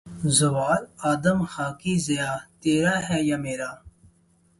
زوال آدم خاکی زیاں تیرا ہے یا میرا